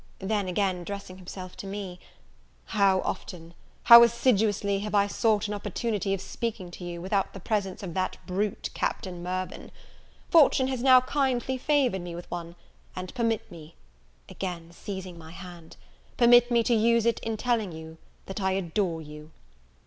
Then again addressing himself to me, "How often, how assiduously have I sought an opportunity of speaking to you, without the presence of that brute, Captain Mirvan! Fortune has now kindly favoured me with one; and permit me," again seizing my hand, "permit me to use it in telling you that I adore you."